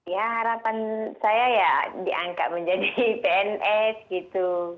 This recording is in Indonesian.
ya harapan saya ya diangkat menjadi pns gitu